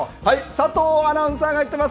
佐藤アナウンサーが行ってます。